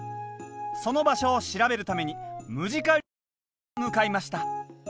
その場所を調べるためにムジカリブロへと向かいました。